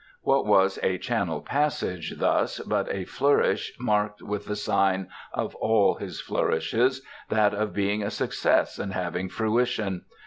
What was "A Channel Passage" thus but a flourish marked with the sign of all his flourishes, that of being a success and having fruition?